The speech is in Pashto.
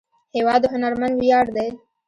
هېواد د هنرمند ویاړ دی.